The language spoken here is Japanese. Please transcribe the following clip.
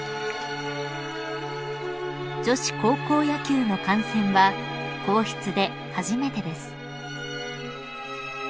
［女子高校野球の観戦は皇室で初めてです］